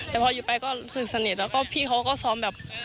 แต่พออยู่ไปก็รู้สึกสนิทแล้วก็พี่เขาก็ซ้อมแบบ